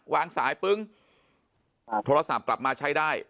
วางสายปึ้งโทรศัพท์กลับมาใช้ได้